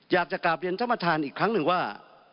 อยากจะกลับเรียนท่านประธานอีกครั้งหนึ่งว่า